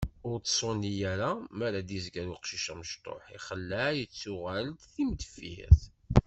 Ur tṣuni ara mi ara d-izger uqcic amecṭuḥ, ixelleɛ yettuɣal-d d timdeffirt.